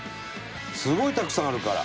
すごいたくさんあるから。